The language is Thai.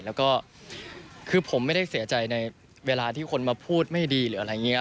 แล้วก็คือผมไม่ได้เสียใจในเวลาที่คนมาพูดไม่ดีหรืออะไรอย่างนี้